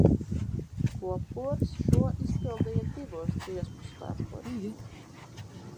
Kopkoris šo izpildīja divos Dziesmu svētkos.